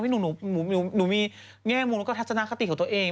ลูกหนูมีแง่มูลก็ทัศนคติของตัวเอง